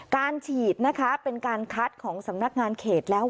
การฉีดนะคะเป็นการคัดของสำนักงานเขตแล้ว